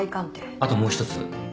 あともう一つ。